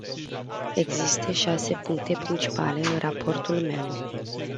Există șase puncte principale în raportul meu.